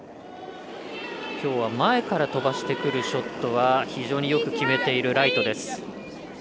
きょうは前から飛ばしてくるショットが非常によく決めているライトです。